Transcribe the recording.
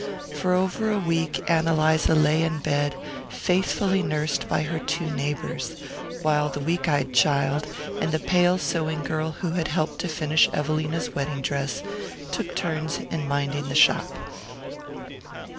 For over a week Ann Eliza lay in bed, faithfully nursed by her two neighbours, while the weak eyed child, and the pale sewing girl who had helped to finish Evelina's wedding dress, took turns in minding the shop.